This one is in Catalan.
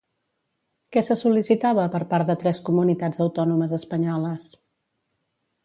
Què se sol·licitava per part de tres comunitats autònomes espanyoles?